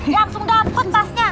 langsung dapet tasnya